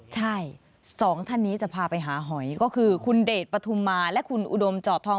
ใช่สองท่านนี้จะพาไปหาหอยก็คือคุณเดชปฐุมมาและคุณอุดมจอดทอง